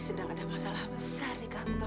sedang ada masalah besar di kantor